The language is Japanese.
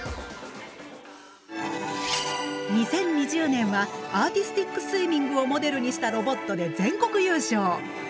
２０２０年はアーティスティックスイミングをモデルにしたロボットで全国優勝。